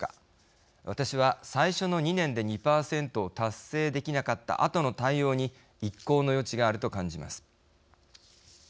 私は最初の２年で２％を達成できなかったあとの対応に一考の余地があると感じます。